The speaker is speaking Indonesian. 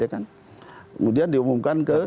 kemudian diumumkan ke